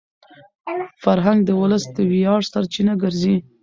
فرهنګ د ولس د ویاړ سرچینه ګرځي.